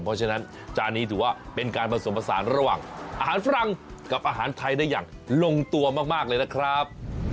เพราะฉะนั้นจานนี้ถือว่าเป็นการผสมผสานระหว่างอาหารฝรั่งกับอาหารไทยได้อย่างลงตัวมากเลยนะครับ